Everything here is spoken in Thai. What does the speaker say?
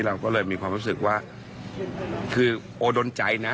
เราก็เลยมีความรู้สึกว่าคือโอดนใจนะ